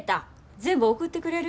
全部送ってくれる？